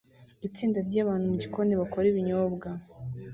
Itsinda ryabantu mugikoni bakora ibinyobwa